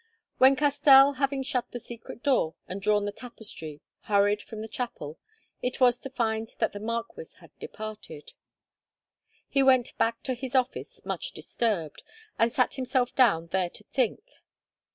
When Castell, having shut the secret door and drawn the tapestry, hurried from the chapel, it was to find that the marquis had departed. He went back to his office much disturbed, and sat himself down there to think.